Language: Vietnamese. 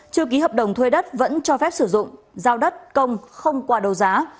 chưa ký hợp đồng thuê đất vẫn cho phép sử dụng giao đất công không qua đấu giá